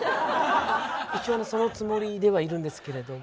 一応そのつもりではいるんですけれど。